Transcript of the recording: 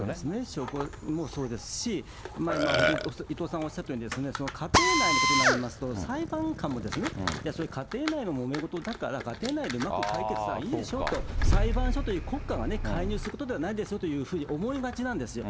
証拠もそうですし、今、伊藤さんおっしゃったように、家庭内のことになりますと、裁判官も、それ家庭内のもめ事だから、家庭内でうまく解決したらいいでしょと、裁判所という国家が介入することではないですよというふうに思いがちなんですよ。